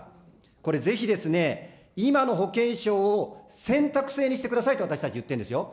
これ、ぜひですね、今の保険証を選択制にしてくださいと、私たち言ってるんですよ。